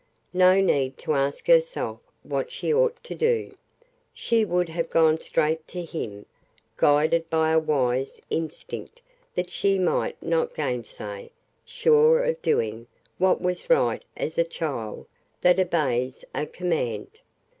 No need to ask herself what she ought to do; she would have gone straight to him, guided by a wise instinct that she might not gainsay, sure of doing what was right as a child that obeys a command.